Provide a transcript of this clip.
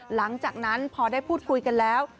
หลังจากนั้นพอได้พูดคุยกันแล้ว